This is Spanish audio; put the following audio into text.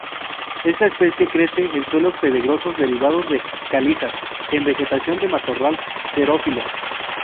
Esta especie crece en suelos pedregosos derivados de calizas, en vegetación de matorral xerófilo.